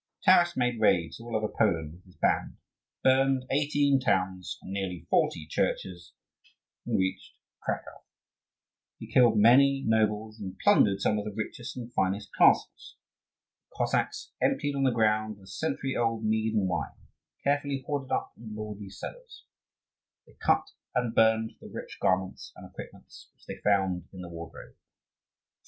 Taras made raids all over Poland with his band, burned eighteen towns and nearly forty churches, and reached Cracow. He killed many nobles, and plundered some of the richest and finest castles. The Cossacks emptied on the ground the century old mead and wine, carefully hoarded up in lordly cellars; they cut and burned the rich garments and equipments which they found in the wardrobes.